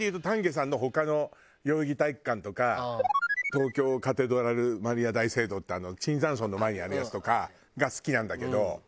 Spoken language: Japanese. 代々木体育館とか東京カテドラルマリア大聖堂って椿山荘の前にあるやつとかが好きなんだけど。